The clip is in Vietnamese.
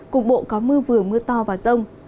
cùng bộ có mưa vừa mưa to và rông